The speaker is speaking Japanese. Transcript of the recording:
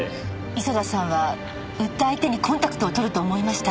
磯田さんは売った相手にコンタクトを取ると思いました。